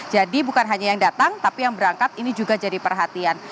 jadi bukan hanya yang datang tapi yang berangkat ini juga jadi perhatian